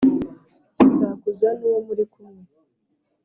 Sakuza n’uwo muri kumwe